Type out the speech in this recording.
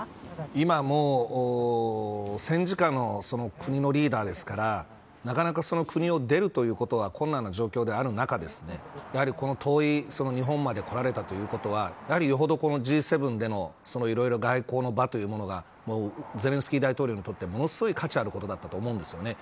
今、戦時下の国のリーダーですからなかなか国を出るということが困難な状況である中でこの遠い日本まで来られたということはよほどＧ７でのいろいろな外交の場というものがゼレンスキー大統領にとってものすごい価値あることだったと思うんです。